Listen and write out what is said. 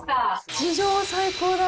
史上最高だ。